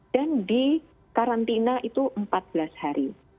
dan di karantina itu empat belas hari